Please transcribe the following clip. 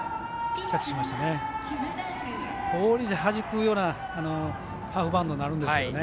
はじくようなハーフバウンドになるんですけどね。